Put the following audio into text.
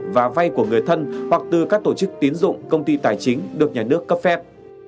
và vay của người thân hoặc từ các tổ chức tiến dụng công ty tài chính được nhà nước cấp phép